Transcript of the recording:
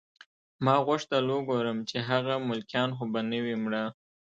ما غوښتل وګورم چې هغه ملکیان خو به نه وي مړه